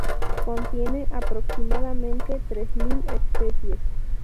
Contiene aproximadamente tres mil especies.